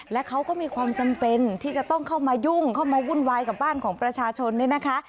และเขาก็มีความจำเป็นที่จะต้องเข้ามายุ่งเข้ามาวุ่นวายกับบ้านของประชาชนเนี่ยนะคะ